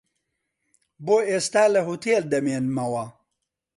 بۆ ئێستا لە هۆتێل دەمێنمەوە.